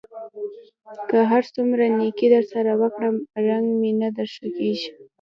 که هر څومره نېکي در سره وکړم؛ رنګ مې نه در ښه کېږي.